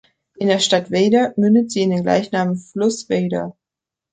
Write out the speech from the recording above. In der Stadt Weida mündet sie in den gleichnamigen Fluss Weida.